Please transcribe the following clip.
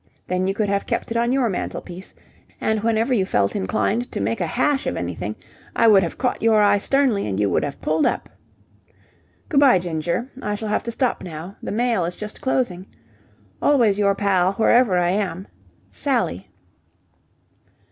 Then you could have kept it on your mantelpiece, and whenever you felt inclined to make a hash of anything I would have caught your eye sternly and you would have pulled up. "Good bye, Ginger. I shall have to stop now. The mail is just closing. "Always your pal, wherever I am. SALLY."